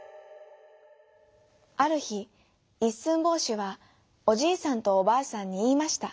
あるひいっすんぼうしはおじいさんとおばあさんにいいました。